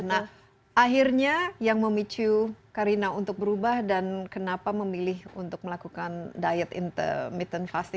nah akhirnya yang memicu karina untuk berubah dan kenapa memilih untuk melakukan diet intermittent fasting